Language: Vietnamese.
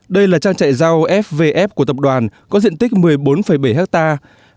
đây là trang trại rau fvf của tập đoàn có diện tích một mươi bốn bảy hectare